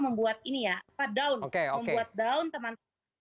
membuat down teman teman